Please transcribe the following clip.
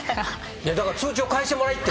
だから通帳返してもらえって。